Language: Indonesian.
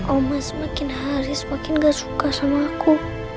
oma semakin hari semakin gak suka sama aku